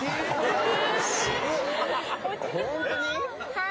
はい！